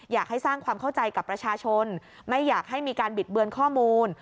อยากให้สร้างความเข้าใจกับประชาชนไม่อยากให้มีการบิดเบือนข้อมูล